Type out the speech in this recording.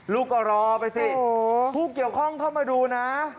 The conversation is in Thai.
ลูกก็รอไปสิผู้เกี่ยวข้องเข้ามาดูนะ